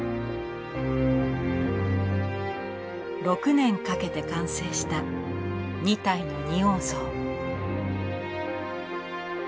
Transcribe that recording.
６年かけて完成した２体の仁王像。